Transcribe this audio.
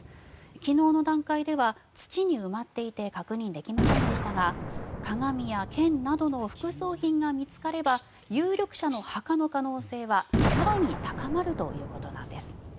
昨日の段階では土に埋まっていて確認できませんでしたが鏡や剣などの副葬品が見つかれば有力者の墓の可能性は更に高まるということなんです。